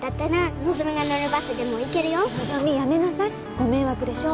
ご迷惑でしょう。